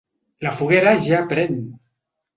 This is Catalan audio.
La foguera ja pren!